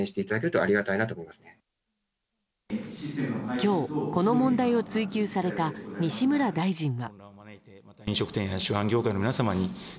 今日、この問題を追及された西村大臣は。